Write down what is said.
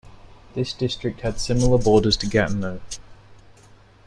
This district had similar borders to Gatineau.